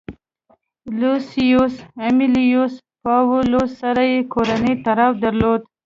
لوسیوس امیلیوس پاولوس سره یې کورنی تړاو درلود